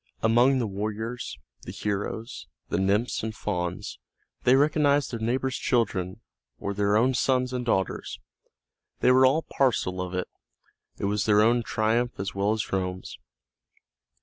Among the warriors, the heroes, the nymphs and fauns, they recognized their neighbors' children or their own sons and daughters; they were all parcel of it; it was their own triumph as well as Rome's.